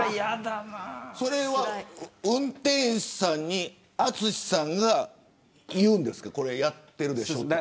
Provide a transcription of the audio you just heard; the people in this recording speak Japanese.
それは運転手さんに淳さんが言うんですかやってるでしょうって。